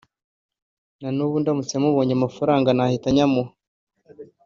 na n’ubu ndamutse mubonye amafaranga nahita nyamuha